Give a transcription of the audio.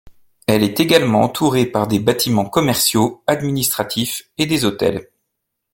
Elle est également entourée par des bâtiments commerciaux, administratifs et des hôtels.